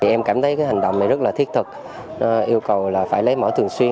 em cảm thấy hành động này rất là thiết thực yêu cầu là phải lấy mẫu thường xuyên